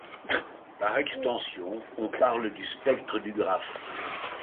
Par extension, on parle du spectre du graphe.